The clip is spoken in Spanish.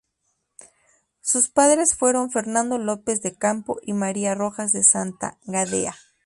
Sus padres fueron Fernando López de Campo y María Rojas de Santa Gadea.